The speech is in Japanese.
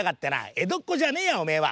えどっこじゃねえやおめえは。